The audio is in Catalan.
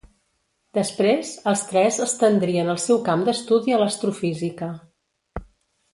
Després, els tres estendrien el seu camp d'estudi a l'astrofísica.